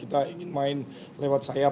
kita ingin main lewat sayap